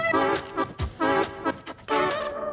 แม่น้อง